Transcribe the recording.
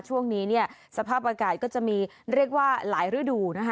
ช่วงนี้เนี่ยสภาพอากาศก็จะมีเรียกว่าหลายฤดูนะคะ